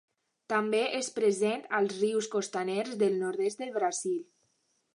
També és present als rius costaners del nord-est del Brasil.